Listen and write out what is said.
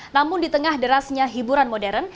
namun di tengah derasnya hiburan modern